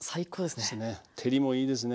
照りもいいですね。